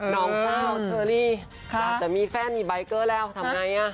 น้องสาวเชอรี่อยากจะมีแฟนมีใบเกอร์แล้วทำไงอ่ะ